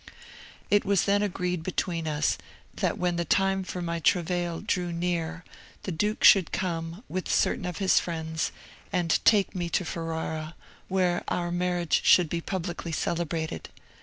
"It was then agreed between us, that when the time for my travail drew near, the duke should come, with certain of his friends, and take me to Ferrara, where our marriage should be publicly celebrated.